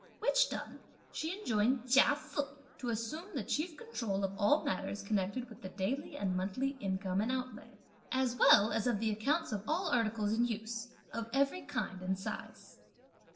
Which done, she enjoined Chia Se to assume the chief control of all matters connected with the daily and monthly income and outlay, as well as of the accounts of all articles in use of every kind and size.